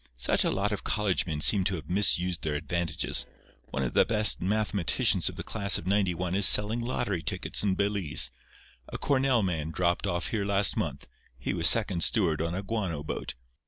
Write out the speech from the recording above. Such a lot of college men seem to have misused their advantages. One of the best mathematicians of the class of '91 is selling lottery tickets in Belize. A Cornell man dropped off here last month. He was second steward on a guano boat.